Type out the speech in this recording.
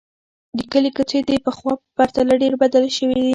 د کلي کوڅې د پخوا په پرتله ډېرې بدلې شوې دي.